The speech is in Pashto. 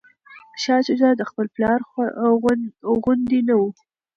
شاه شجاع د خپل پلار غوندې نه و.